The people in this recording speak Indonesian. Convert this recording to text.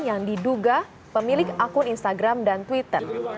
yang diduga pemilik akun instagram dan twitter